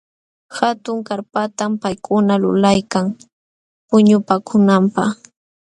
Hatun karpatam paykuna lulaykan puñupaakunanpaq.